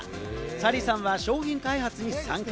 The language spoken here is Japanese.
サリーさんは商品開発に参加。